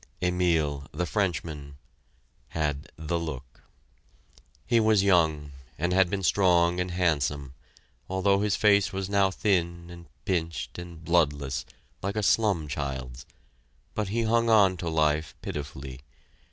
Emile, the Frenchman, had the look! He was young, and had been strong and handsome, although his face was now thin and pinched and bloodless, like a slum child's; but he hung on to life pitifully.